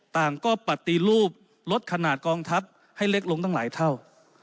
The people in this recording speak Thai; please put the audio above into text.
ต่างก็ปฏิรูปลดขนาดกองทัพให้เล็กลงตั้งหลายเท่า